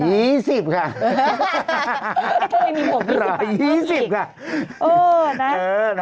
ไม่มีหมด๒๐บาทลูกอีกค่ะร้อย๒๐ค่ะ